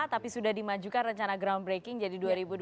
tapi sudah dimajukan rencana groundbreaking jadi dua ribu dua puluh